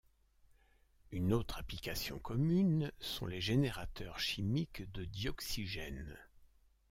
Un autre application commune sont les générateurs chimiques de dioxygène.